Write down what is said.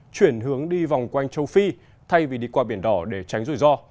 chuyển hướng đi vòng quanh châu phi thay vì đi qua biển đỏ để tránh rủi ro